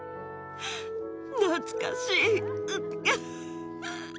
懐かしい。